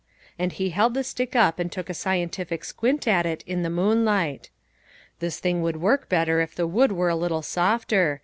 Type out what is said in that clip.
And he held the stick up and took a scientific squint at it in the moonlight. " This thing would work better if the wood were a lit tle softer.